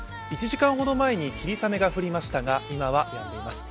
１時間ほど前に霧雨が降りましたが今はやんでいます。